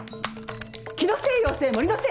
気のせい妖精森の精！